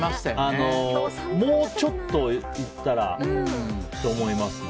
もうちょっといったらと思いますね。